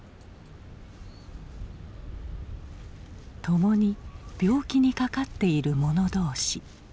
共に病気にかかっている者同士。